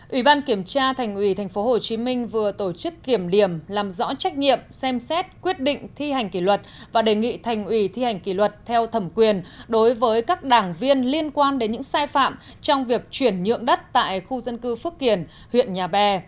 ủy ban kiểm tra thành ủy tp hcm vừa tổ chức kiểm điểm làm rõ trách nhiệm xem xét quyết định thi hành kỷ luật và đề nghị thành ủy thi hành kỷ luật theo thẩm quyền đối với các đảng viên liên quan đến những sai phạm trong việc chuyển nhượng đất tại khu dân cư phước kiển huyện nhà bè